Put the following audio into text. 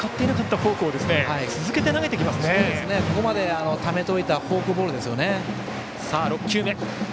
ためておいたフォークボールですよね。